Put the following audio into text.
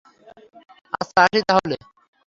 আচ্ছা, আসি তাহলে।